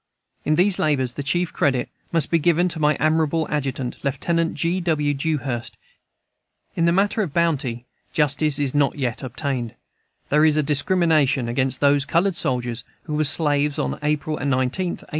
In these labors the chief credit must be given to my admirable Adjutant, Lieutenant G. W. Dewhurst In the matter of bounty justice is not yet obtained; there is a discrimination against those colored soldiers who were slaves on April 19, 1861.